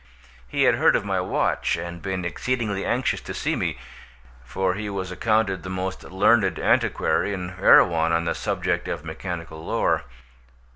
He had heard of my watch and been exceedingly anxious to see me, for he was accounted the most learned antiquary in Erewhon on the subject of mechanical lore.